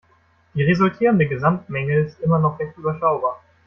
Die resultierende Gesamtmenge ist immer noch recht überschaubar.